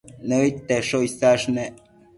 Nëid tesho isash nec